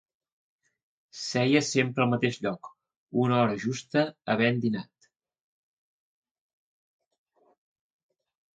Seia sempre al mateix lloc, una hora justa havent dinat